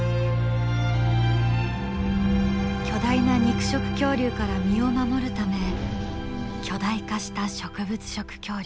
巨大な肉食恐竜から身を守るため巨大化した植物食恐竜。